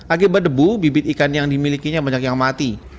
agak berdebu bibit ikan yang dimilikinya banyak yang mati